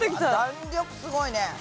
弾力すごいね。